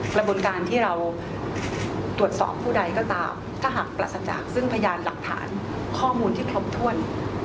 กระบวนการที่เราตรวจสอบผู้ใดก็ตามถ้าหากปราศจากซึ่งพยานหลักฐานข้อมูลที่ครบถ้วน